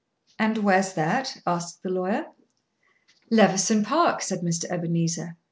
"And where's that?" asked the lawyer. "Levison Park," said Mr. Ebenezer.